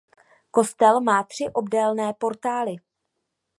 Kostel má tři obdélné portály.